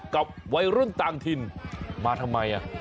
กับวัยรุ่นต่างถิ่นมาทำไม